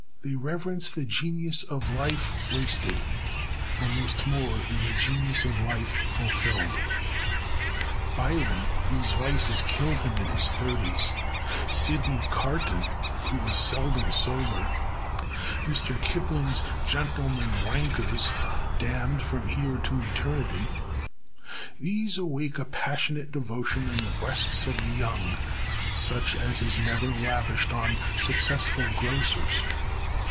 They reverence the genius of life wasted almost more than the genius of life fulfilled. Byron, whose vices killed him in his thirties; Sydney Carton, who was seldom sober; Mr Kipling's gentleman rankers, "damned from here to eternity" these awake a passionate devotion in the breasts of the young such as is never lavished on successful grocers.